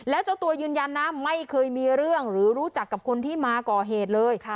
แล้วเจ้าตัวยืนยันนะไม่เคยมีเรื่องหรือรู้จักกับคนที่มาก่อเหตุเลย